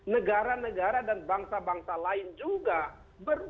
negara negara dan bangsa bangsa lain juga berusaha untuk mendorong agar investasi masuk di negara mereka